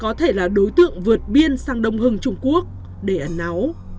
có thể là đối tượng vượt biên sang đông hưng trung quốc để ẩn náu